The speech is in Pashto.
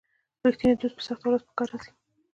رښتینی دوست په سخته ورځ په کار راځي.